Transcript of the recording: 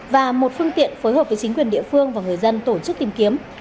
và một phương tiện phối hợp với chính quyền địa phương và người dân tổ chức tìm kiếm